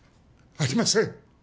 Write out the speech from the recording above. ありません。